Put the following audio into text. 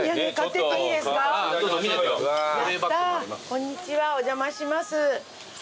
こんにちはお邪魔します。